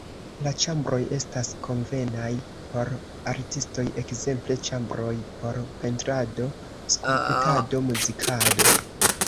La ĉambroj estas konvenaj por artistoj, ekzemple ĉambroj por pentrado, skulptado, muzikado.